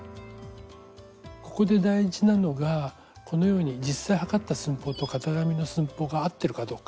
ここで大事なのがこのように実際測った寸法と型紙の寸法が合ってるかどうか。